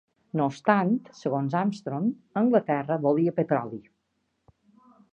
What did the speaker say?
No obstant, segons Armstrong, Anglaterra volia petroli.